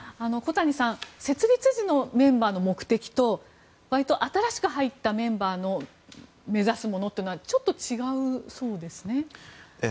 小谷さん設立時のメンバーの目的と新しく入ったメンバーの目指すものというのはちょっと違うそうですね。